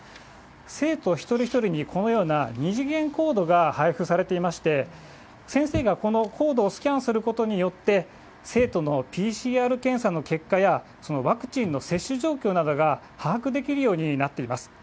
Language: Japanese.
生徒一人一人に、このような二次元コードが配付されていまして、先生がこのコードをスキャンすることによって、生徒のＰＣＲ検査の結果やワクチンの接種状況などが把握できるようになっています。